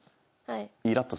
はい。